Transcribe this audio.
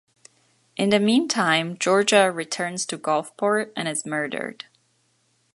In the meantime, Georgia returns to Gulfport and is murdered.